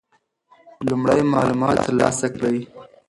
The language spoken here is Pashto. لومړی معلومات ترلاسه کړئ.